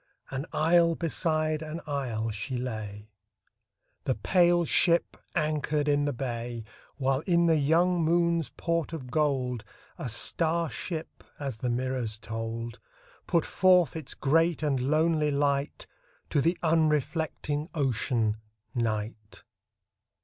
r An isle beside an isle she lay, The pale ship anchored in the bay, While in the young moon's port of gold A star ship as the mirrors told Put forth its great and lonely light To the unreflecting Ocean, Night.